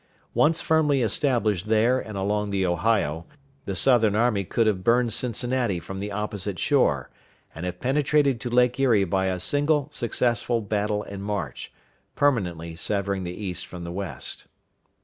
Once firmly established there and along the Ohio, the Southern army could have burned Cincinnati from the opposite shore, and have penetrated to Lake Erie by a single successful battle and march, permanently severing the East from the West.